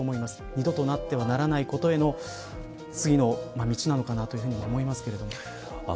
二度とあってはならないことへの次の道なのかなというふうにも思いますけれども。